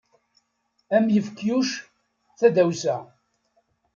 Ad am-yefk Yuc tadawsa.